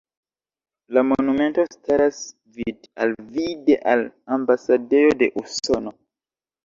La monumento staras vid-al-vide al ambasadejo de Usono.